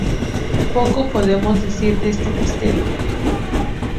Poco podemos decir de este festejo.